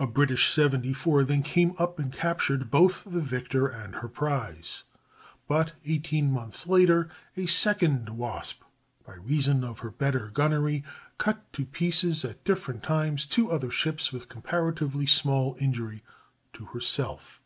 A British seventy four then came up and captured both the victor and her prize; but eighteen months later a second Wasp, by reason of her better gunnery, cut to pieces at different times two other ships with comparatively small injury to herself.